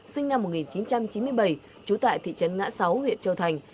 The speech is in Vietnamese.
sinh năm một nghìn chín trăm chín mươi bảy trú tại thị trấn ngã sáu huyện châu thành